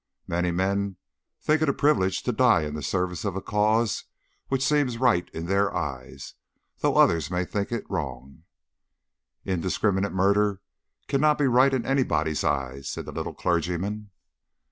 Many men think it a privilege to die in the service of a cause which seems right in their eyes, though others may think it wrong." "Indiscriminate murder cannot be right in anybody's eyes," said the little clergyman.